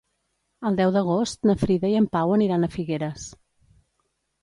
El deu d'agost na Frida i en Pau aniran a Figueres.